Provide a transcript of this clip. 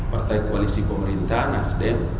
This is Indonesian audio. partai koalisi pemerintah nasdem